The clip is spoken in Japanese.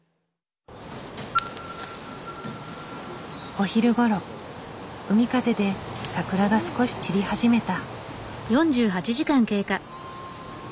お昼ごろ海風で桜が少し散り始めた。